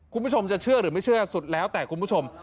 คุณผู้ชมจะเชื่อหรือไม่เชื่อสุดแล้วแต่คุณผู้ชม